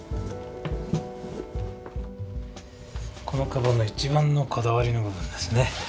この鞄の一番のこだわりの部分ですね。